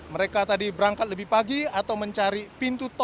mereka tadi berangkat lebih pagi atau mencari pintu tol